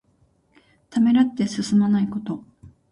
ためらって進まないこと。